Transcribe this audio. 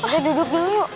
kita duduk dulu